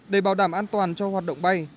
để bảo đảm an toàn cho hoạt động bay